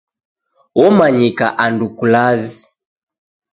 Womanyika andu kulazi.